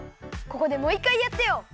ここでもう１かいやってよ！